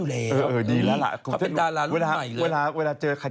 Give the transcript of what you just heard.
กระเทยเก่งกว่าเออแสดงความเป็นเจ้าข้าว